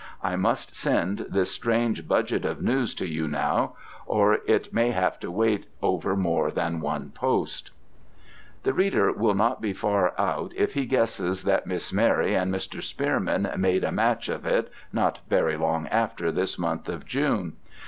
I must send this strange budget of news to you now, or it may have to wait over more than one post." The reader will not be far out if he guesses that Miss Mary and Mr. Spearman made a match of it not very long after this month of June.